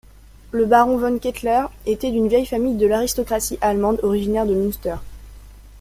Le baron von Ketteler était d'une vieille famille de l'aristocratie allemande, originaire de Münster.